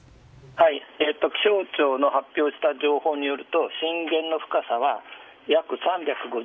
気象庁の発表した情報によると震源の深さは約３５０ｋｍ。